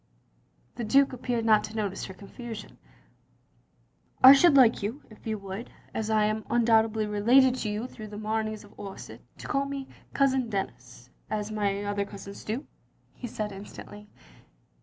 The Duke appeared not to notice her confusion. "I should like you — ^if you would — as I am undoubtedly related to you through the Mameys of Orsett, — ^to call me Cousin Denis — as my other cousins do —" he said instantly.